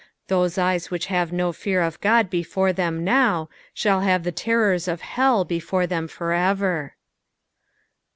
Those eyes which have no fear of God before them now, abail have the terrors of hell before them for ever.